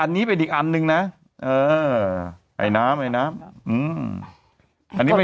อันนี้เป็นอีกอันนึงนะ